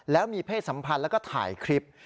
แล้วมีเพศสัมพันธ์แล้วก็ถ่ายคลิป